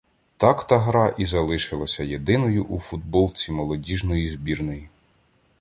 Так та гра і залишилась єдиною у футболці молодіжної збірної.